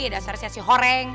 dasar siasi horeng